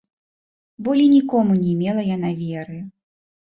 Болей нікому не ймела яна веры.